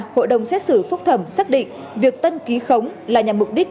hội đồng xét xử phúc thẩm xác định việc tân ký khống là nhằm mục đích